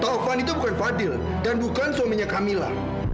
taufan itu bukan fadil dan bukan suaminya camilla